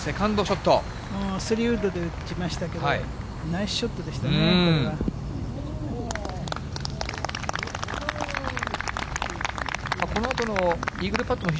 スリーウッドで打ちましたけど、ナイスショットでしたね、これは。